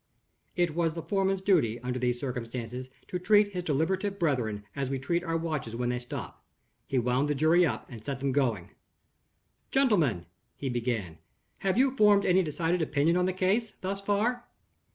It was the foreman's duty, under these circumstances, to treat his deliberative brethren as we treat our watches when they stop: he wound the jury up and set them going. "Gentlemen," he began, "have you formed any decided opinion on the case thus far?"